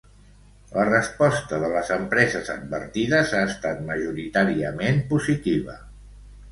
La resposta de les empreses advertides ha estat majoritàriament positiva.